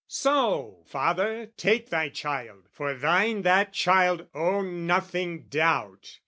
So, father, take thy child, for thine that child, Oh nothing doubt!